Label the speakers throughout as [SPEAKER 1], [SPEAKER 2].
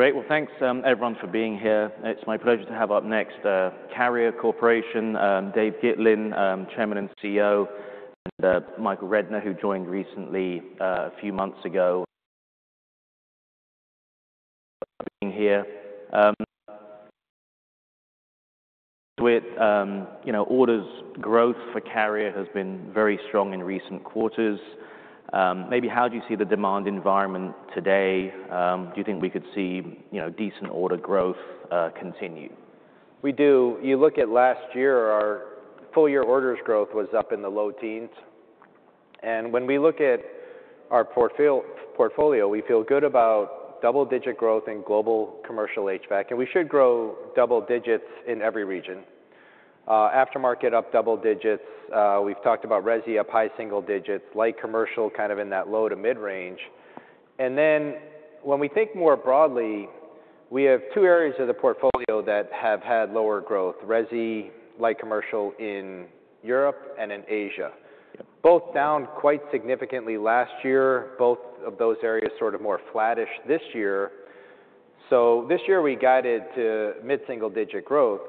[SPEAKER 1] Great. Well, thanks, everyone, for being here. It's my pleasure to have up next, Carrier Corporation, Dave Gitlin, Chairman and CEO, and Michael Rednor, who joined recently, a few months ago. Being here, with, you know, orders growth for Carrier has been very strong in recent quarters. Maybe how do you see the demand environment today? Do you think we could see, you know, decent order growth continue?
[SPEAKER 2] We do. You look at last year, our full-year orders growth was up in the low teens. And when we look at our portfolio, we feel good about double-digit growth in Global Commercial HVAC. And we should grow double digits in every region. Aftermarket up double digits. We've talked about Resi up high single digits, light commercial kind of in that low to mid range. And then when we think more broadly, we have two areas of the portfolio that have had lower growth: Resi, Light Commercial in Europe and in Asia. Yep. Both down quite significantly last year. Both of those areas sort of more flattish this year. So this year we guided to mid-single digit growth.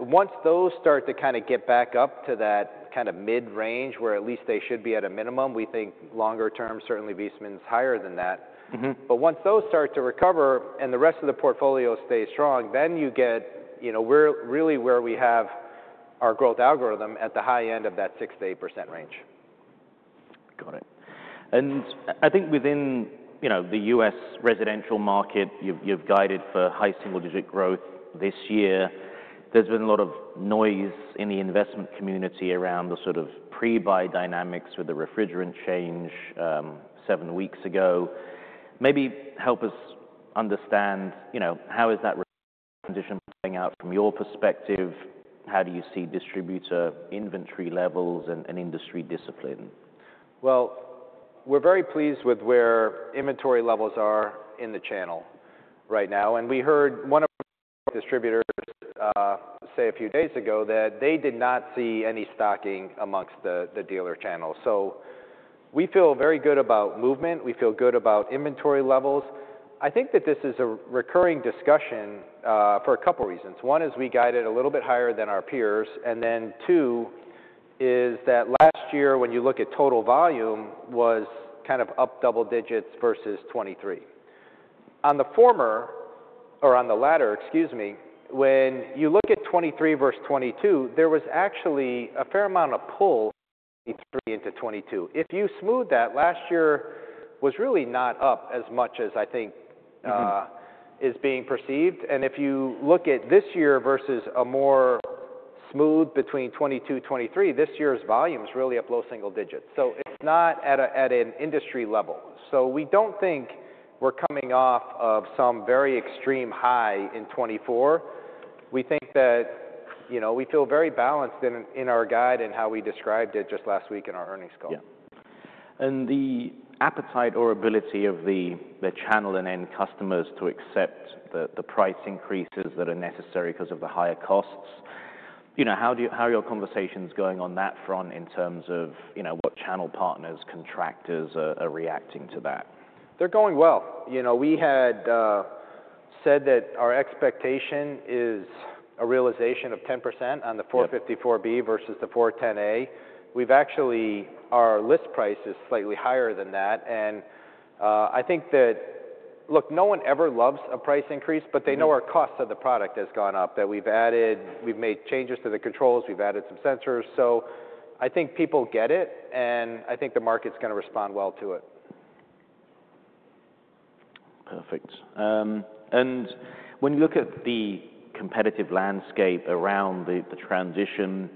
[SPEAKER 2] Once those start to kind of get back up to that kind of mid range where at least they should be at a minimum, we think longer term certainly Viessmann's higher than that. Mm-hmm. But once those start to recover and the rest of the portfolio stays strong, then you get, you know, we're really where we have our growth algorithm at the high end of that 6% to 8% range. Got it. And I think within, you know, the U.S. residential market, you've guided for high single digit growth this year. There's been a lot of noise in the investment community around the sort of pre-buy dynamics with the refrigerant change, seven weeks ago. Maybe help us understand, you know, how is that transition playing out from your perspective? How do you see distributor inventory levels and industry discipline? We're very pleased with where inventory levels are in the channel right now, and we heard one of our distributors say a few days ago that they did not see any stocking amongst the dealer channel. So we feel very good about movement. We feel good about inventory levels. I think that this is a recurring discussion for a couple reasons. One is we guided a little bit higher than our peers, and then two is that last year when you look at total volume was kind of up double digits versus 2023. On the former, or on the latter, excuse me, when you look at 2023 versus 2022, there was actually a fair amount of pull 2023 into 2022. If you smooth that, last year was really not up as much as I think is being perceived. If you look at this year versus a more smooth between 2022, 2023, this year's volume's really up low single digits. It's not at an industry level. We don't think we're coming off of some very extreme high in 2024. We think that, you know, we feel very balanced in our guide and how we described it just last week in our earnings call. Yeah. And the appetite or ability of the channel and end customers to accept the price increases that are necessary 'cause of the higher costs, you know, how are your conversations going on that front in terms of, you know, what channel partners, contractors are reacting to that? They're going well. You know, we had said that our expectation is a realization of 10% on the 454B versus the 410A. We've actually. Our list price is slightly higher than that, and I think that, look, no one ever loves a price increase, but they know our cost of the product has gone up, that we've added, we've made changes to the controls. We've added some sensors, so I think people get it, and I think the market's gonna respond well to it. Perfect. And when you look at the competitive landscape around the, the transition,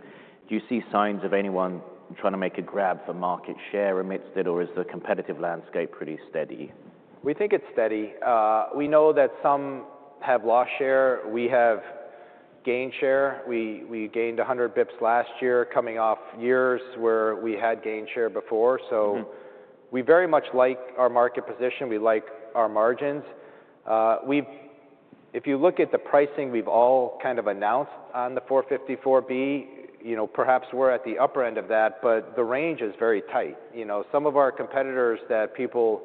[SPEAKER 2] do you see signs of anyone trying to make a grab for market share amidst it, or is the competitive landscape pretty steady? We think it's steady. We know that some have lost share. We have gained share. We gained 100 basis points last year coming off years where we had gained share before. So we very much like our market position. We like our margins. We've. If you look at the pricing we've all kind of announced on the 454B, you know, perhaps we're at the upper end of that, but the range is very tight. You know, some of our competitors that people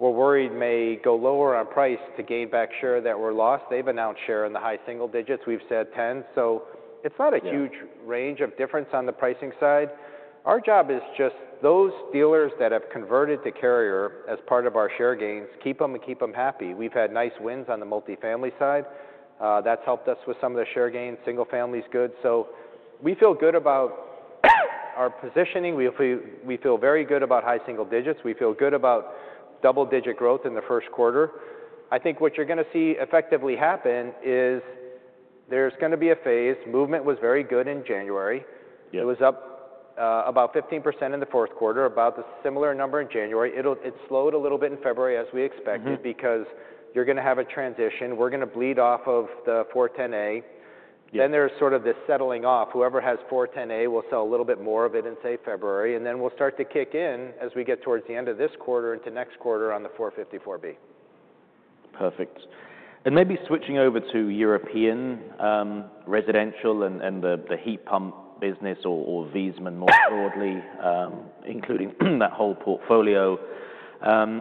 [SPEAKER 2] were worried may go lower on price to gain back share that were lost. They've announced share in the high single digits. We've said 10. So it's not a huge range of difference on the pricing side. Our job is just those dealers that have converted to Carrier as part of our share gains, keep 'em and keep 'em happy. We've had nice wins on the multifamily side. That's helped us with some of the share gain. Single family's good. So we feel good about our positioning. We feel very good about high single digits. We feel good about double-digit growth in the first quarter. I think what you're gonna see effectively happen is there's gonna be a phase. Movement was very good in January. Yeah. It was up about 15% in the fourth quarter, about the similar number in January. It slowed a little bit in February as we expected because you're gonna have a transition. We're gonna bleed off of the 410A. Then there's sort of this settling off. Whoever has 410A will sell a little bit more of it in, say, February. And then we'll start to kick in as we get towards the end of this quarter into next quarter on the 454B. Perfect. And maybe switching over to European residential and the heat pump business or Viessmann more broadly, including that whole portfolio.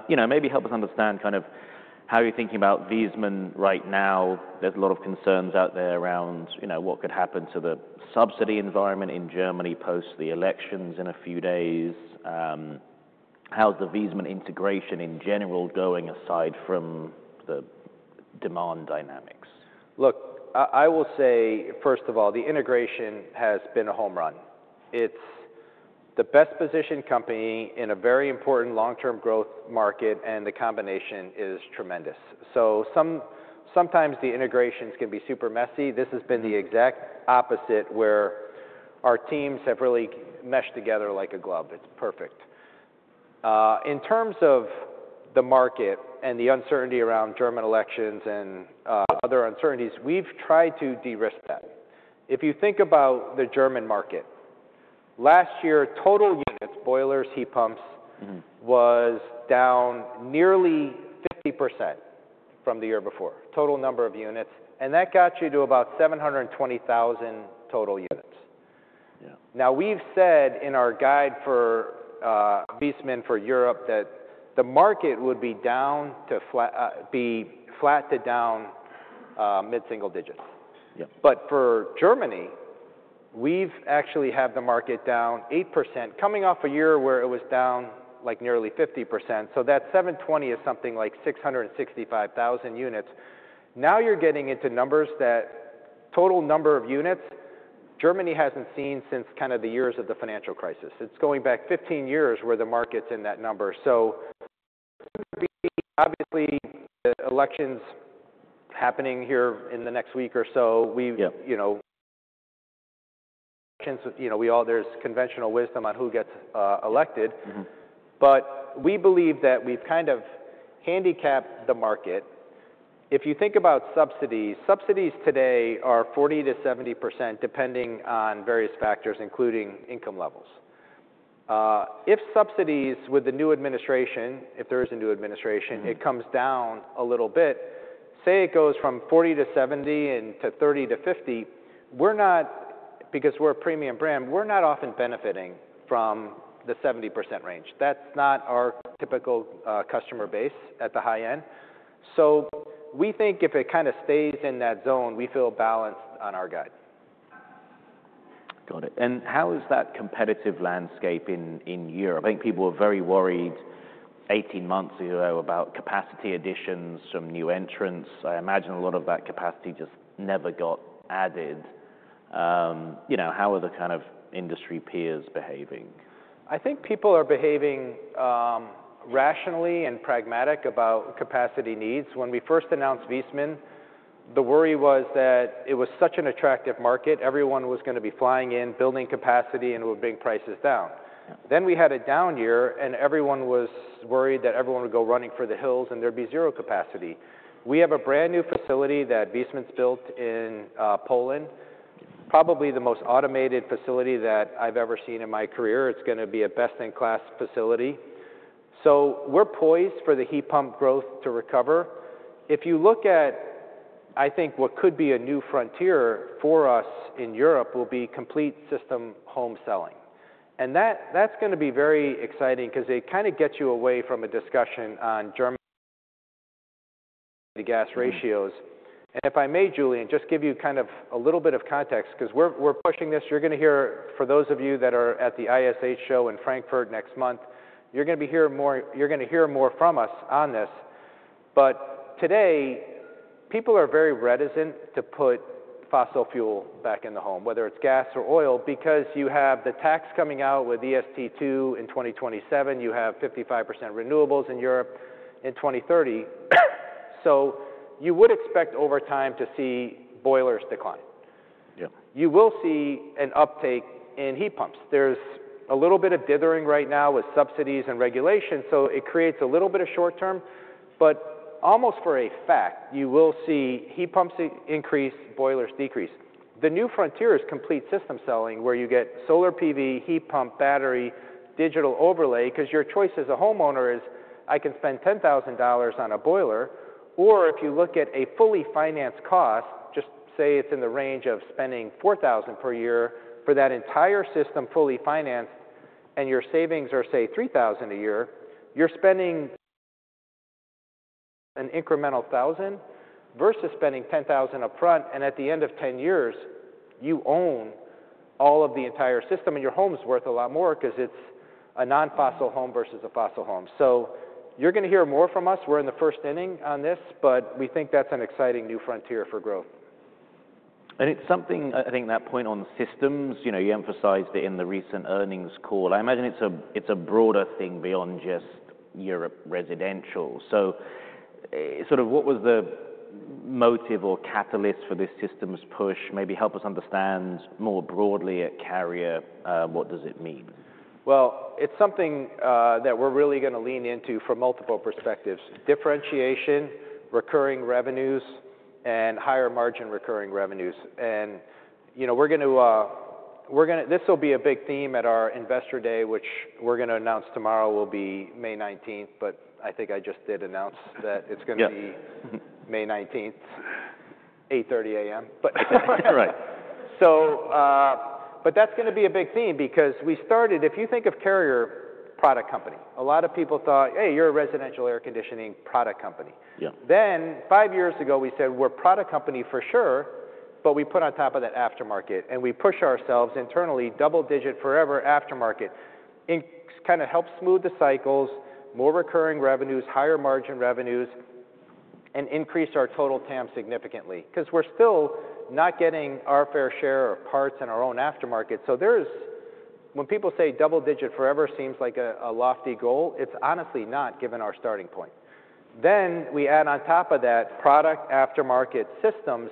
[SPEAKER 2] You know, maybe help us understand kind of how you're thinking about Viessmann right now. There's a lot of concerns out there around, you know, what could happen to the subsidy environment in Germany post the elections in a few days. How's the Viessmann integration in general going aside from the demand dynamics? Look, I will say, first of all, the integration has been a home run. It's the best-positioned company in a very important long-term growth market, and the combination is tremendous. So sometimes the integrations can be super messy. This has been the exact opposite where our teams have really meshed together like a glove. It's perfect. In terms of the market and the uncertainty around German elections and other uncertainties, we've tried to de-risk that. If you think about the German market, last year total units, boilers, heat pumps. Mm-hmm. Was down nearly 50% from the year before, total number of units, and that got you to about 720,000 total units. Yeah. Now we've said in our guide for Viessmann for Europe that the market would be down to flat, be flat to down, mid-single digits. Yep. But for Germany, we've actually had the market down 8% coming off a year where it was down like nearly 50%. So that 720 is something like 665,000 units. Now you're getting into numbers that total number of units Germany hasn't seen since kind of the years of the financial crisis. It's going back 15 years where the market's in that number. So there seems to be, obviously, the elections happening here in the next week or so. We. Yep. You know, elections, you know, we all, there's conventional wisdom on who gets elected. Mm-hmm. But we believe that we've kind of handicapped the market. If you think about subsidies, subsidies today are 40% to 70% depending on various factors, including income levels. If subsidies with the new administration, if there is a new administration. Mm-hmm. It comes down a little bit. Say it goes from 40% to 70% and 30% to 50%. We're not, because we're a premium brand, we're not often benefiting from the 70% range. That's not our typical customer base at the high end. So we think if it kind of stays in that zone, we feel balanced on our guide. Got it. And how is that competitive landscape in Europe? I think people were very worried 18 months ago about capacity additions, some new entrants. I imagine a lot of that capacity just never got added. You know, how are the kind of industry peers behaving? I think people are behaving rationally and pragmatically about capacity needs. When we first announced Viessmann, the worry was that it was such an attractive market, everyone was gonna be flying in, building capacity, and it would bring prices down. Then we had a down year, and everyone was worried that everyone would go running for the hills and there'd be zero capacity. We have a brand new facility that Viessmann's built in Poland, probably the most automated facility that I've ever seen in my career. It's gonna be a best-in-class facility. So we're poised for the heat pump growth to recover. If you look at, I think what could be a new frontier for us in Europe will be complete system home selling. And that, that's gonna be very exciting 'cause it kind of gets you away from a discussion on German gas ratios. And if I may, Julian, just give you kind of a little bit of context 'cause we're pushing this. You're gonna hear, for those of you that are at the ISH show in Frankfurt next month, you're gonna hear more from us on this. But today, people are very reticent to put fossil fuel back in the home, whether it's gas or oil, because you have the tax coming out with ETS 2 in 2027. You have 55% renewables in Europe in 2030. So you would expect over time to see boilers decline. Yep. You will see an uptake in heat pumps. There's a little bit of dithering right now with subsidies and regulation, so it creates a little bit of short term, but almost for a fact, you will see heat pumps increase, boilers decrease. The new frontier is complete system selling where you get solar PV, heat pump, battery, digital overlay, 'cause your choice as a homeowner is, "I can spend $10,000 on a boiler." Or if you look at a fully financed cost, just say it's in the range of spending $4,000 per year for that entire system fully financed, and your savings are, say, $3,000 a year, you're spending an incremental $1,000 versus spending $10,000 upfront, and at the end of 10 years, you own all of the entire system, and your home's worth a lot more 'cause it's a non-fossil home versus a fossil home. So you're gonna hear more from us. We're in the first inning on this, but we think that's an exciting new frontier for growth. It's something, I think that point on systems, you know, you emphasized it in the recent earnings call. I imagine it's a broader thing beyond just Europe residential. Sort of what was the motive or catalyst for this system's push? Maybe help us understand more broadly at Carrier, what does it mean? It's something that we're really gonna lean into from multiple perspectives: differentiation, recurring revenues, and higher margin recurring revenues. You know, we're gonna, we're gonna - this will be a big theme at our investor day, which we're gonna announce tomorrow. It will be May 19th, but I think I just did announce that it's gonna be May 19th, 8:30 A.M. But. Right. So, but that's gonna be a big theme because we started, if you think of Carrier product company, a lot of people thought, "Hey, you're a residential air conditioning product company. Yeah. Then five years ago, we said, "We're a product company for sure," but we put on top of that aftermarket, and we push ourselves internally double digit forever aftermarket in kind of help smooth the cycles, more recurring revenues, higher margin revenues, and increase our total TAM significantly 'cause we're still not getting our fair share of parts in our own aftermarket. So there's, when people say double digit forever seems like a, a lofty goal, it's honestly not given our starting point. Then we add on top of that product aftermarket systems.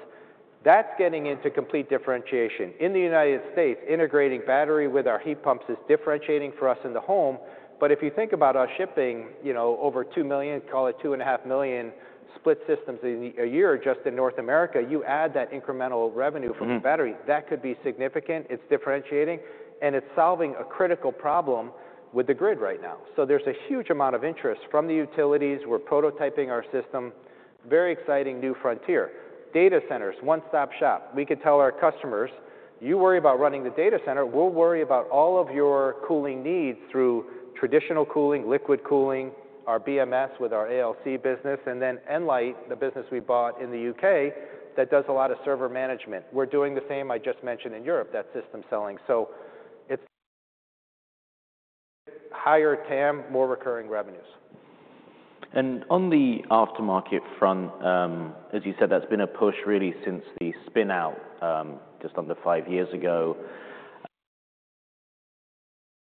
[SPEAKER 2] That's getting into complete differentiation. In the United States, integrating battery with our heat pumps is differentiating for us in the home. But if you think about us shipping, you know, over 2 million, call it 2.5 million split systems a year just in North America, you add that incremental revenue from the battery. That could be significant. It's differentiating, and it's solving a critical problem with the grid right now. So there's a huge amount of interest from the utilities. We're prototyping our system. Very exciting new frontier. Data centers, one-stop shop. We can tell our customers, "You worry about running the data center. We'll worry about all of your cooling needs through traditional cooling, liquid cooling, our BMS with our ALC business, and then Nlyte, the business we bought in the U.K. that does a lot of server management." We're doing the same I just mentioned in Europe, that system selling. So it's higher TAM, more recurring revenues. On the aftermarket front, as you said, that's been a push really since the spin-out, just under five years ago.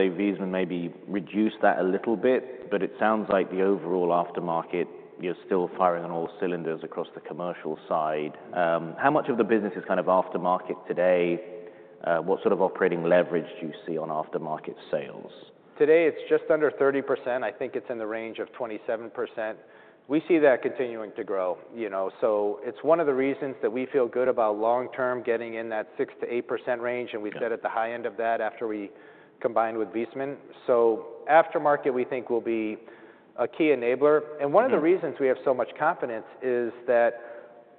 [SPEAKER 2] Viessmann maybe reduced that a little bit, but it sounds like the overall aftermarket, you're still firing on all cylinders across the commercial side. How much of the business is kind of aftermarket today? What sort of operating leverage do you see on aftermarket sales? Today, it's just under 30%. I think it's in the range of 27%. We see that continuing to grow, you know. It's one of the reasons that we feel good about long-term getting in that 6% to 8% range. We said at the high end of that after we combined with Viessmann. Aftermarket, we think, will be a key enabler. One of the reasons we have so much confidence is that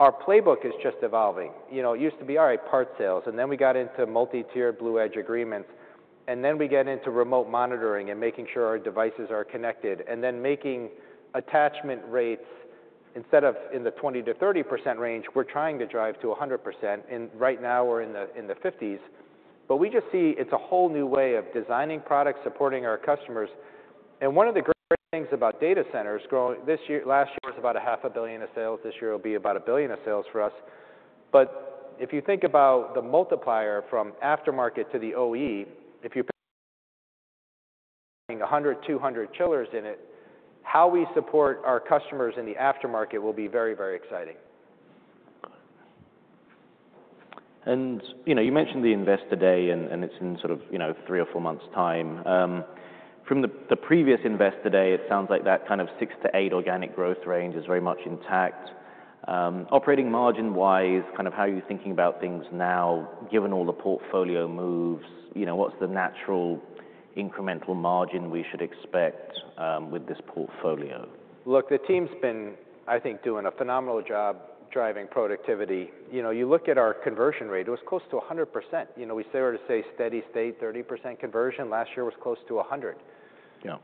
[SPEAKER 2] our playbook is just evolving. You know, it used to be, "All right, part sales," and then we got into multi-tier BluEdge agreements, and then we get into remote monitoring and making sure our devices are connected, and then making attachment rates instead of in the 20% to 30% range, we're trying to drive to 100%. Right now, we're in the 50s. But we just see it's a whole new way of designing products, supporting our customers. And one of the great things about data centers growing this year. Last year was about $500 million of sales. This year will be about $1 billion of sales for us. But if you think about the multiplier from aftermarket to the OE, if you're putting 100, 200 chillers in it, how we support our customers in the aftermarket will be very, very exciting. You know, you mentioned the investor day, and it's in sort of, you know, three or four months' time from the previous investor day. It sounds like that kind of six to eight organic growth range is very much intact. Operating margin-wise, kind of how are you thinking about things now, given all the portfolio moves? You know, what's the natural incremental margin we should expect, with this portfolio? Look, the team's been, I think, doing a phenomenal job driving productivity. You know, you look at our conversion rate, it was close to 100%. You know, we started to say steady state, 30% conversion. Last year was close to 100%. Yeah.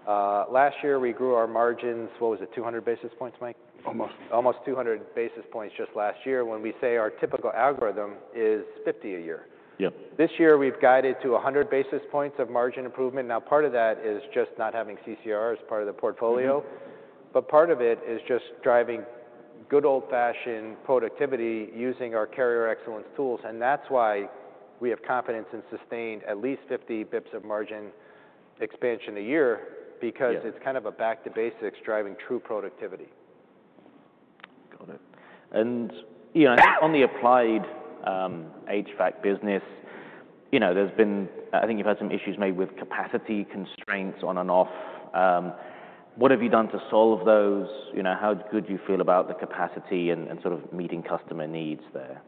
[SPEAKER 2] Last year, we grew our margins - what was it? 200 basis points, Mike?
[SPEAKER 3] Almost.
[SPEAKER 2] Almost 200 basis points just last year when we say our typical algorithm is 50 a year. Yep. This year, we've guided to 100 basis points of margin improvement. Now, part of that is just not having CCR as part of the portfolio, but part of it is just driving good old-fashioned productivity using our Carrier Excellence tools, and that's why we have confidence in sustained at least 50 basis points of margin expansion a year because it's kind of a back-to-basics driving true productivity. Got it. And, you know, I think on the applied HVAC business, you know, there's been, I think you've had some issues maybe with capacity constraints on and off. What have you done to solve those? You know, how good do you feel about the capacity and, and sort of meeting customer needs there?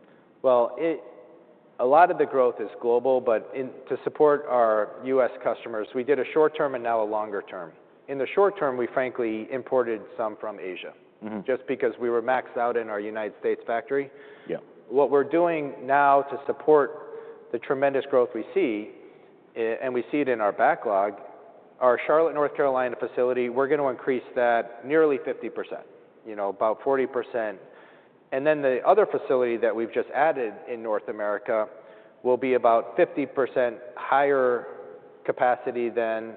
[SPEAKER 2] A lot of the growth is global, but in order to support our us customers, we did a short term and now a longer term. In the short term, we frankly imported some from Asia. Mm-hmm. Just because we were maxed out in our United States factory. Yep. What we're doing now to support the tremendous growth we see, and we see it in our backlog, our Charlotte, North Carolina facility, we're gonna increase that nearly 50%, you know, about 40%. And then the other facility that we've just added in North America will be about 50% higher capacity than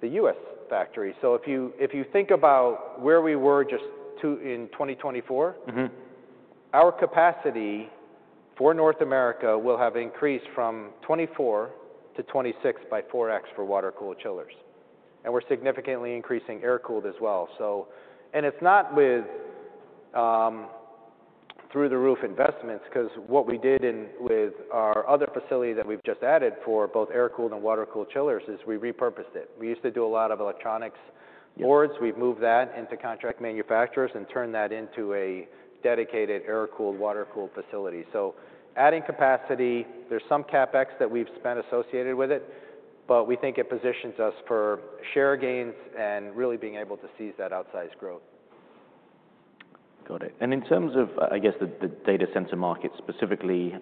[SPEAKER 2] the U.S. factory. So if you think about where we were just two in 2024. Mm-hmm. Our capacity for North America will have increased from 24 to 26 by 4x for water-cooled chillers. We're significantly increasing air-cooled as well. It's not with through-the-roof investments 'cause what we did with our other facility that we've just added for both air-cooled and water-cooled chillers is we repurposed it. We used to do a lot of electronics boards. We've moved that into contract manufacturers and turned that into a dedicated air-cooled, water-cooled facility. Adding capacity, there's some CapEx that we've spent associated with it, but we think it positions us for share gains and really being able to seize that outsized growth. Got it. And in terms of, I guess, the data center market specifically,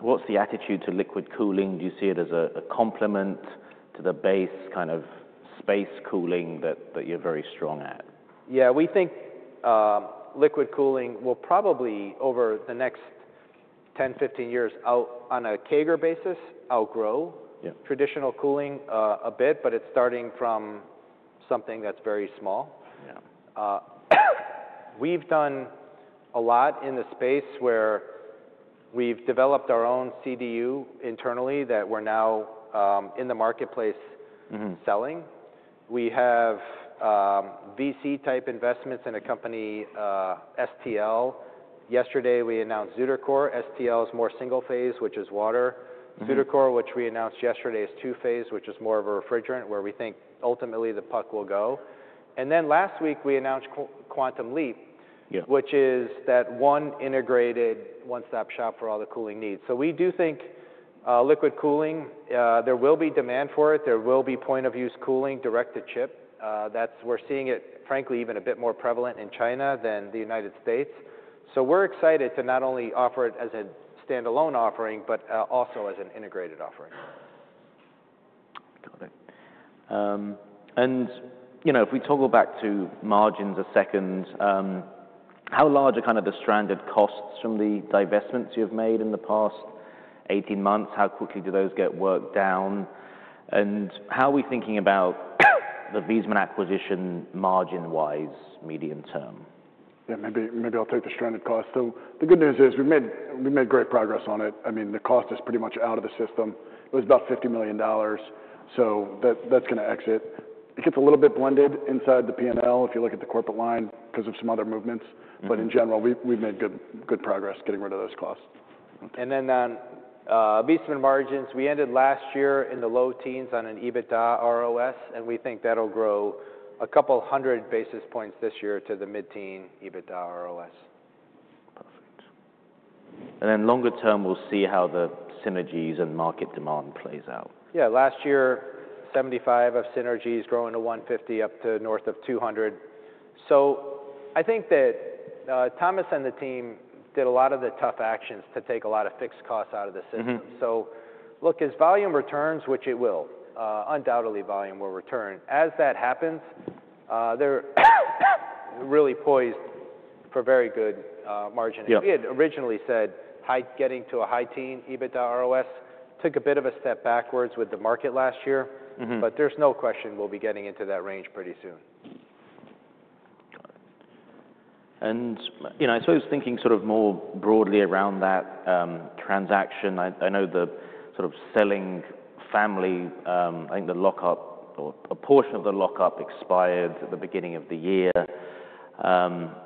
[SPEAKER 2] what's the attitude to liquid cooling? Do you see it as a complement to the base kind of space cooling that you're very strong at? Yeah. We think liquid cooling will probably over the next 10 to 15 years out on a CAGR basis outgrow traditional cooling a bit, but it's starting from something that's very small. Yeah. We've done a lot in the space where we've developed our own CDU internally that we're now in the marketplace selling. We have VC-type investments in a company, STL. Yesterday, we announced ZutaCore. STL is more single-phase, which is water. ZutaCore, which we announced yesterday, is two-phase, which is more of a refrigerant where we think ultimately the puck will go. And then last week, we announced QuantumLeap. Yeah. Which is that one integrated one-stop shop for all the cooling needs. So we do think liquid cooling, there will be demand for it. There will be point-of-use cooling direct-to-chip. That's, we're seeing it, frankly, even a bit more prevalent in China than the United States. So we're excited to not only offer it as a standalone offering, but also as an integrated offering. Got it. And, you know, if we toggle back to margins a second, how large are kind of the stranded costs from the divestments you've made in the past 18 months? How quickly do those get worked down? And how are we thinking about the Viessmann acquisition margin-wise medium term?
[SPEAKER 3] Yeah. Maybe, maybe I'll take the stranded cost. So the good news is we've made great progress on it. I mean, the cost is pretty much out of the system. It was about $50 million, so that's gonna exit. It gets a little bit blended inside the P&L if you look at the corporate line 'cause of some other movements. But in general, we've made good, good progress getting rid of those costs.
[SPEAKER 2] Viessmann margins, we ended last year in the low teens on an EBITDA ROS, and we think that'll grow a couple 100 basis points this year to the mid-teen EBITDA ROS. Perfect, and then longer term, we'll see how the synergies and market demand plays out. Yeah. Last year, $75 million of synergies growing to $150 million up to north of $200 million. So I think that Thomas and the team did a lot of the tough actions to take a lot of fixed costs out of the system. So look, as volume returns, which it will, undoubtedly volume will return. As that happens, they're really poised for very good margins. Yep. We had originally said high, getting to a high-teen EBITDA ROS took a bit of a step backwards with the market last year. Mm-hmm. But there's no question we'll be getting into that range pretty soon. Got it. And, you know, I suppose thinking sort of more broadly around that transaction, I, I know the sort of selling family. I think the lockup or a portion of the lockup expired at the beginning of the year.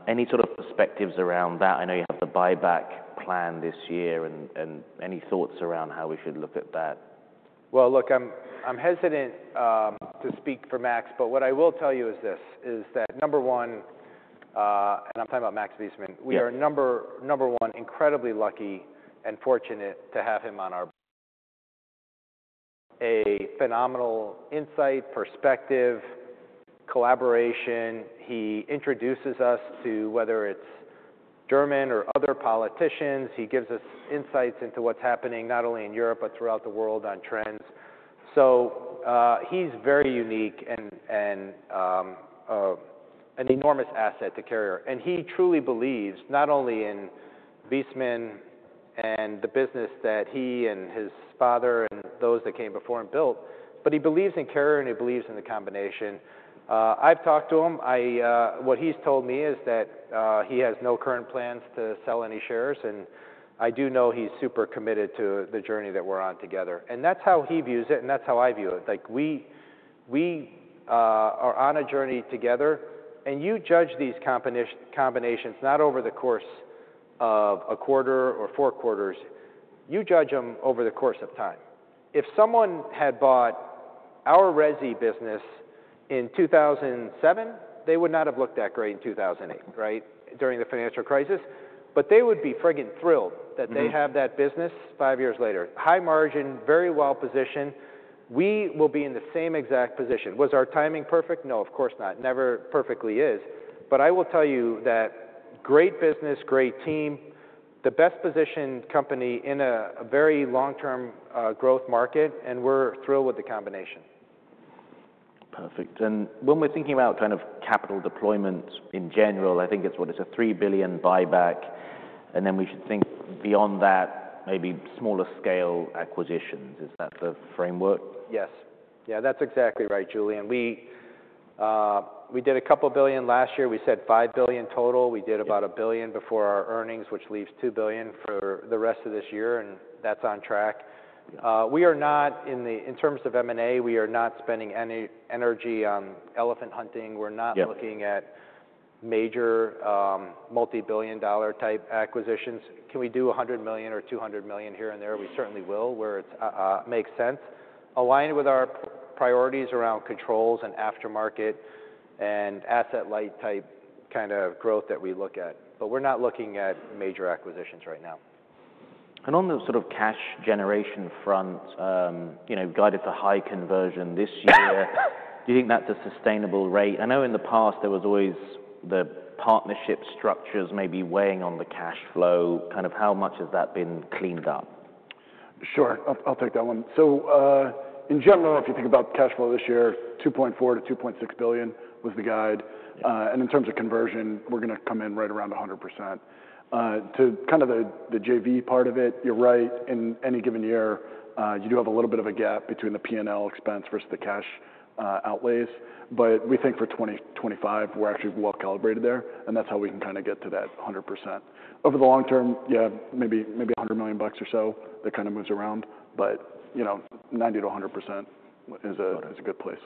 [SPEAKER 2] Any sort of perspectives around that? I know you have the buyback planned this year, and, and any thoughts around how we should look at that? Look, I'm hesitant to speak for Max, but what I will tell you is this: that number one, and I'm talking about Max Viessmann, we are number one incredibly lucky and fortunate to have him on our, a phenomenal insight, perspective, collaboration. He introduces us to whether it's German or other politicians. He gives us insights into what's happening not only in Europe but throughout the world on trends. So, he's very unique and an enormous asset to Carrier. He truly believes not only in Viessmann and the business that he and his father and those that came before him built, but he believes in Carrier and he believes in the combination. I've talked to him. What he's told me is that he has no current plans to sell any shares, and I do know he's super committed to the journey that we're on together. And that's how he views it, and that's how I view it. Like, we are on a journey together, and you judge these combinations not over the course of a quarter or four quarters. You judge them over the course of time. If someone had bought our Resi business in 2007, they would not have looked that great in 2008, right, during the financial crisis. But they would be frigging thrilled that they have that business five years later. High margin, very well positioned. We will be in the same exact position. Was our timing perfect? No, of course not. Never perfectly is. But I will tell you that great business, great team, the best-positioned company in a very long-term, growth market, and we're thrilled with the combination. Perfect. And when we're thinking about kind of capital deployments in general, I think it's what? It's a $3 billion buyback, and then we should think beyond that, maybe smaller scale acquisitions. Is that the framework? Yes. Yeah. That's exactly right, Julian. We did $2 billion last year. We said $5 billion total. We did about $1 billion before our earnings, which leaves $2 billion for the rest of this year, and that's on track. We are not in the in terms of M&A, we are not spending any energy on elephant hunting. We're not looking at. Yeah. Major, multi-billion-dollar-type acquisitions. Can we do $100 million or $200 million here and there? We certainly will where it makes sense, aligned with our priorities around controls and aftermarket and asset-light type kind of growth that we look at. But we're not looking at major acquisitions right now. On the sort of cash generation front, you know, guided to high conversion this year, do you think that's a sustainable rate? I know in the past there was always the partnership structures maybe weighing on the cash flow. Kind of, how much has that been cleaned up?
[SPEAKER 3] Sure. I'll take that one. So, in general, if you think about cash flow this year, $2.4 billion to $2.6 billion was the guide. Yeah. And in terms of conversion, we're gonna come in right around 100%. To kind of the JV part of it, you're right. In any given year, you do have a little bit of a gap between the P&L expense versus the cash outlays. But we think for 2025, we're actually well calibrated there, and that's how we can kind of get to that 100%. Over the long term, yeah, maybe, maybe $100 million or so that kind of moves around. But, you know, 90% to 100% is a good place.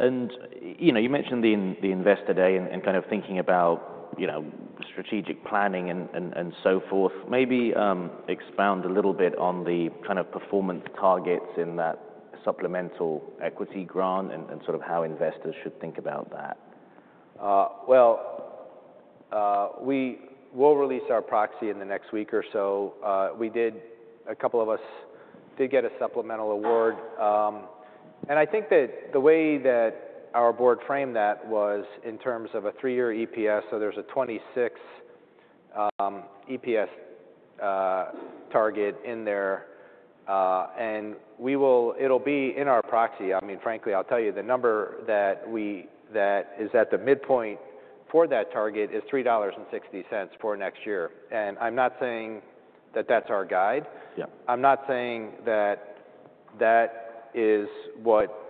[SPEAKER 3] You know, you mentioned the investor day and kind of thinking about, you know, strategic planning and so forth. Maybe expound a little bit on the kind of performance targets in that supplemental equity grant and sort of how investors should think about that.
[SPEAKER 2] We will release our proxy in the next week or so. We did, a couple of us did get a supplemental award. I think that the way that our board framed that was in terms of a three-year EPS. There's a 26% EPS target in there. We will, it'll be in our proxy. I mean, frankly, I'll tell you the number that we, that is at the midpoint for that target is $3.60 for next year. I'm not saying that that's our guide. Yep. I'm not saying that that is what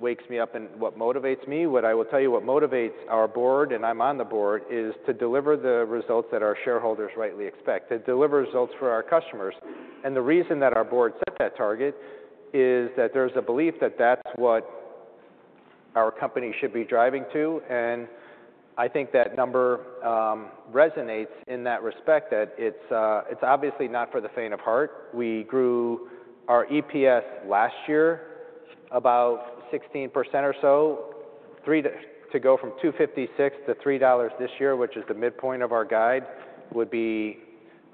[SPEAKER 2] wakes me up and what motivates me. What I will tell you, what motivates our board, and I'm on the board, is to deliver the results that our shareholders rightly expect, to deliver results for our customers. And the reason that our board set that target is that there's a belief that that's what our company should be driving to. And I think that number resonates in that respect that it's obviously not for the faint of heart. We grew our EPS last year about 16% or so, to go from $2.56 to $3 this year, which is the midpoint of our guide, would be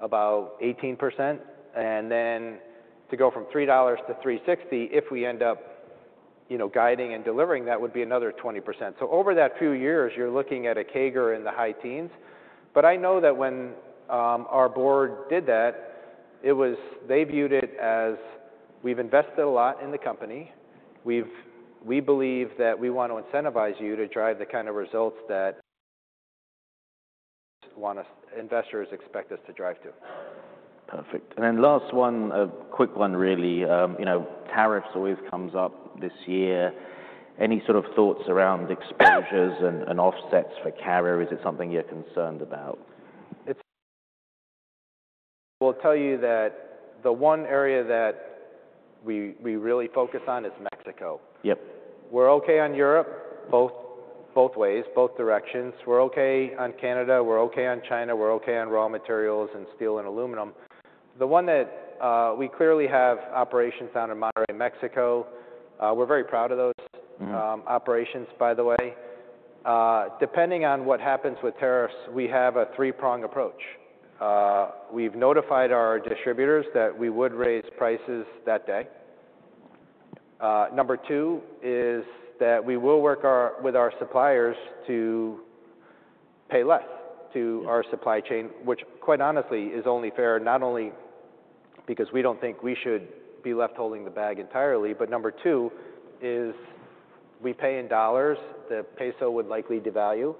[SPEAKER 2] about 18%. And then to go from $3 to $3.60, if we end up, you know, guiding and delivering that, would be another 20%. So over that few years, you're looking at a CAGR in the high teens. But I know that when our board did that, it was they viewed it as we've invested a lot in the company. We believe that we want to incentivize you to drive the kind of results that investors expect us to drive to. Perfect. And then last one, a quick one really. You know, tariffs always comes up this year. Any sort of thoughts around exposures and, and offsets for Carrier? Is it something you're concerned about? Well, I'll tell you that the one area that we really focus on is Mexico. Yep. We're okay on Europe both, both ways, both directions. We're okay on Canada. We're okay on China. We're okay on raw materials and steel and aluminum. The one that we clearly have operations down in Monterrey, Mexico. We're very proud of those operations, by the way. Depending on what happens with tariffs, we have a three-prong approach. We've notified our distributors that we would raise prices that day. Number two is that we will work with our suppliers to pay less to our supply chain, which quite honestly is only fair not only because we don't think we should be left holding the bag entirely, but number two is we pay in dollars. The peso would likely devalue.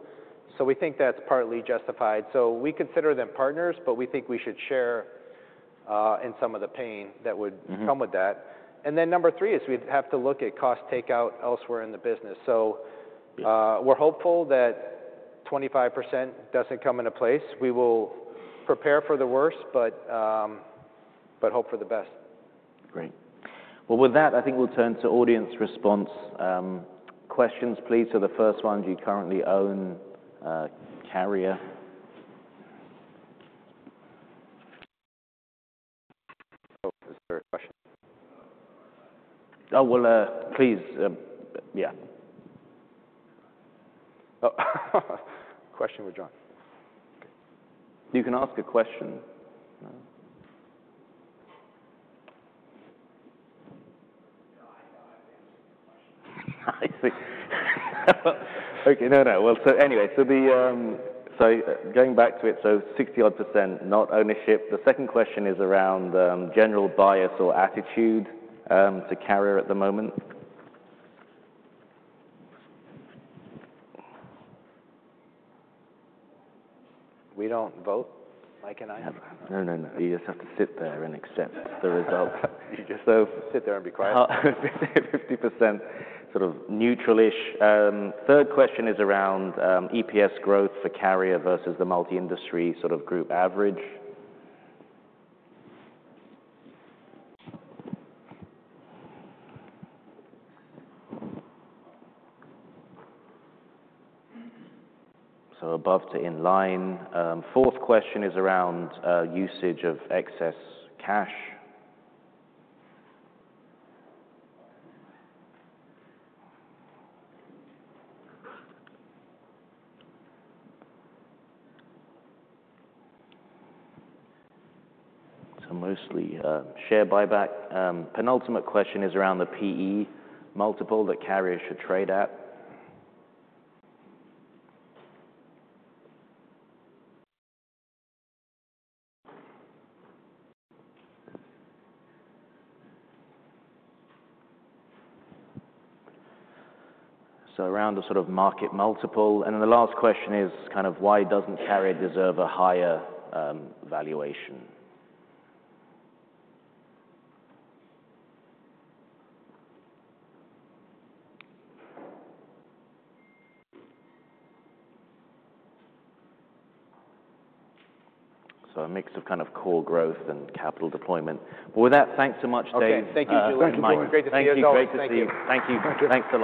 [SPEAKER 2] So we think that's partly justified. So we consider them partners, but we think we should share in some of the pain that would come with that. Number three is we'd have to look at cost takeout elsewhere in the business. So, we're hopeful that 25% doesn't come into place. We will prepare for the worst, but hope for the best. Great. Well, with that, I think we'll turn to audience response, questions, please. So the first one, do you currently own Carrier?
[SPEAKER 3] Oh, is there a question? Oh, well, please, yeah.
[SPEAKER 2] Oh, question with John.
[SPEAKER 3] You can ask a question.
[SPEAKER 2] I think. Okay. No, no. Well, anyway, going back to it, 60 odd percent not ownership. The second question is around general bias or attitude to Carrier at the moment. We don't vote like an island. No, no, no. You just have to sit there and accept the result. You just sit there and be quiet. 50% sort of neutral-ish. Third question is around EPS growth for Carrier versus the multi-industry sort of group average. So above to in line. Fourth question is around usage of excess cash. So mostly share buyback. Penultimate question is around the P/E multiple that Carrier should trade at. So around the sort of market multiple. And then the last question is kind of why doesn't Carrier deserve a higher valuation? So a mix of kind of core growth and capital deployment. But with that, thanks so much, Dave. Okay. Thank you, Julian.
[SPEAKER 3] Thank you. Thank you, Mike.
[SPEAKER 2] Great. Thank you. Great to see you. Thank you. Thank you. Thanks so much.